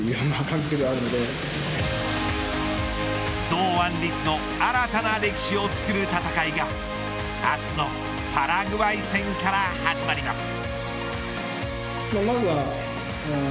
堂安律の新たな歴史を作る戦いが明日のパラグアイ戦から始まります。